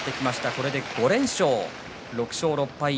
これで５連勝、６勝６敗。